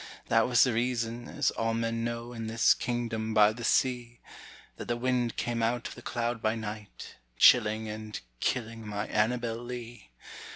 that was the reason (as all men know) In this kingdom by the sea, That the wind came out of the cloud by night, Chilling and killing my Annabel Lee.